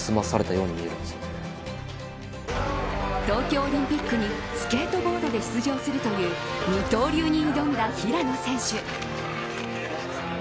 東京オリンピックにスケートボードで出場するという二刀流に挑んだ平野選手。